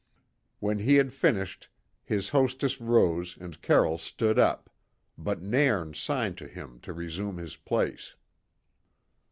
When he had finished, his hostess rose and Carroll stood up, but Nairn signed to him to resume his place.